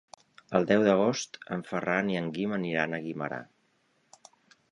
El deu d'agost en Ferran i en Guim aniran a Guimerà.